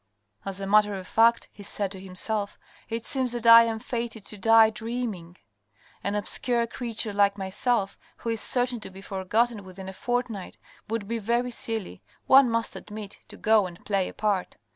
"As a matter of fact," he said to himself, "it seems that I am fated to die dreaming. An obscure creature like myself, who is certain to be forgotten within a fortnight, would be very silly, one must admit, to go and play a part.